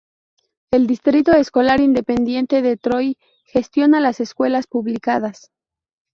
El Distrito Escolar Independiente de Troy gestiona las escuelas públicas.